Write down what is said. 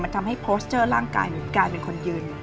มันทำให้ร่างกายมีกลายเป็นคนยืน